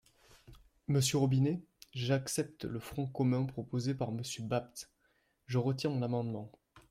Monsieur Robinet ?… J’accepte le front commun proposé par Monsieur Bapt ! Je retire mon amendement.